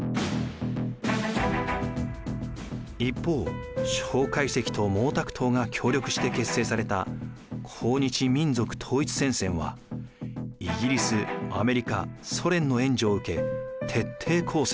一方蒋介石と毛沢東が協力して結成された抗日民族統一戦線はイギリスアメリカソ連の援助を受け徹底抗戦。